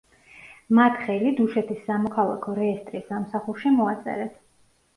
მათ ხელი დუშეთის სამოქალაქო რეესტრის სამსახურში მოაწერეს.